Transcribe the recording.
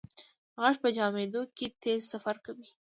غږ په جامدو کې تېز سفر کوي.